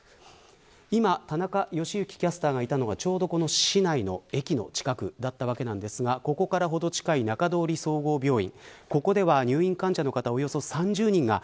今、田中良幸キャスターがいたのはちょうど市内の駅の近くだったわけなんですがここからほど近い中通総合病院